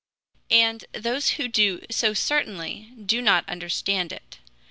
And those who do so certainly do not understand it.